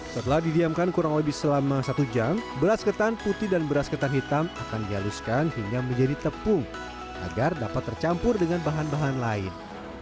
setelah didiamkan kurang lebih selama satu jam beras ketan putih dan beras ketan hitam akan dihaluskan hingga menjadi tepung agar dapat tercampur dengan bahan bahan lain